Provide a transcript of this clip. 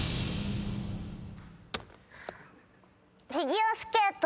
フィギュアスケート。